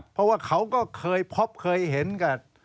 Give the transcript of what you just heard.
เพราะว่าเขาก็เคยพบเคยเห็นกับ